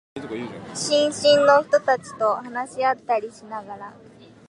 新進の人たちと話し合ったりしながら、